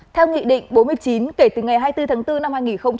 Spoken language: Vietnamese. theo nghị định bốn mươi chín kể từ ngày hai mươi bốn tháng bốn năm hai nghìn hai mươi